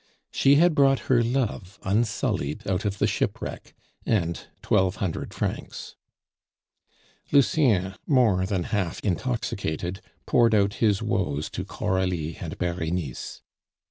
She had brought her love unsullied out of the shipwreck and twelve hundred francs. Lucien, more than half intoxicated, poured out his woes to Coralie and Berenice.